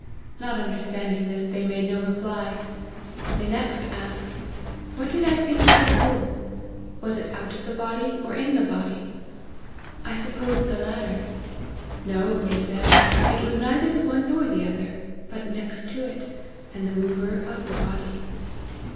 Not understanding this, they made "no reply. They next asked, ' What did I think of the soul ? was it out of the body or in the body ?' I supposed the latter. ' No,' they said, ' it was neither the one nor the other ; but next to it, and the mover of the body.'